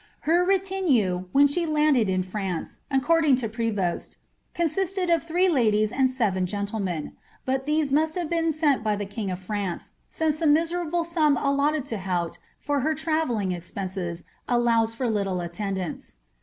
Her reiinue, when she landed in France, according to Prevost, consisted of three ladies and seven gentW men ; but these must have been sent by tlie King of France, since iIM' miserable sum allotted to Haute for her travelling eipeus«s allows fof little attendance.